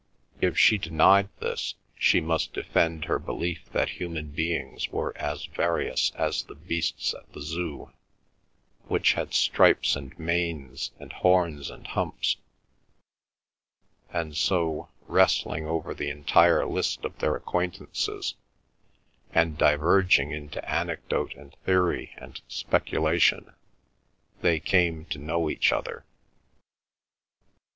If she denied this, she must defend her belief that human beings were as various as the beasts at the Zoo, which had stripes and manes, and horns and humps; and so, wrestling over the entire list of their acquaintances, and diverging into anecdote and theory and speculation, they came to know each other.